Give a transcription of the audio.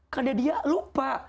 karena dia lupa